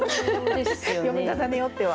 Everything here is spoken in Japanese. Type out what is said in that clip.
読み方によっては。